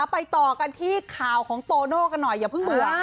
ไปต่อกันที่ข่าวของโตโน่กันหน่อยอย่าเพิ่งเบื่อ